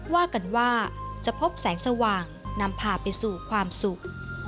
ว่ากันว่าจะพบแสงสว่างนำพาไปสู่ความสุข